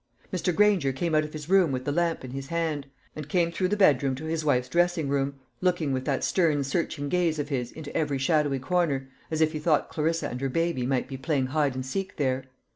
Mr. Granger came out of his room with the lamp in his hand, and came through the bedroom to his wife's dressing room, looking with that stern searching gaze of his into every shadowy corner, as if he thought Clarissa and her baby might be playing hide and seek there.